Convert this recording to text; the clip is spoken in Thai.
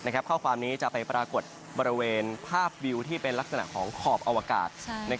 ข้อความนี้จะไปปรากฏบริเวณภาพวิวที่เป็นลักษณะของขอบอวกาศ